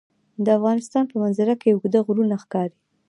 د افغانستان په منظره کې اوږده غرونه ښکاره ده.